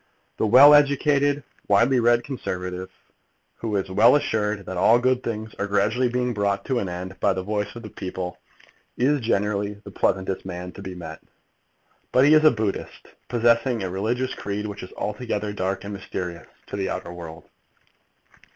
The well educated, widely read Conservative, who is well assured that all good things are gradually being brought to an end by the voice of the people, is generally the pleasantest man to be met. But he is a Buddhist, possessing a religious creed which is altogether dark and mysterious to the outer world.